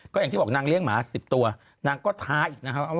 ก็อย่างที่บอกนางเลี้ยงหมา๑๐ตัวนางก็ท้าอีกนะครับ